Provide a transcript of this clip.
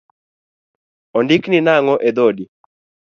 Ondikni nang’o edhodi?